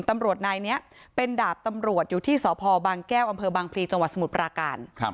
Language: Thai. ตำรวจนายเนี่ยเป็นดาบตำรวจอยู่ที่สพบางแก้วอบางพลีจสมุทรปราการ